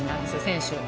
選手。